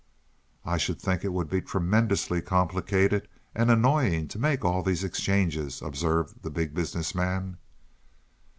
"I should think it would be tremendously complicated and annoying to make all these exchanges," observed the Big Business Man.